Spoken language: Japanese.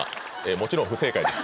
もちろん不正解です